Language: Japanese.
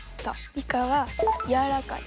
イカはやわらかい。